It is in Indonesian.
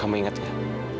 kamu ingat kak